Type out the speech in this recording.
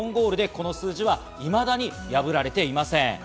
この数字はいまだに破られていません。